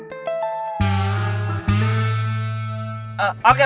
kita udah dapet kucingnya